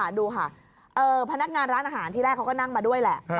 พนักงานของร้านอาหารนั้นก็กดเงินมาด้วยแหละ